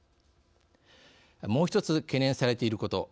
もう１つ懸念されていること。